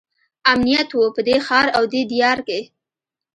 امنیت وو په دې ښار او دې دیار کې.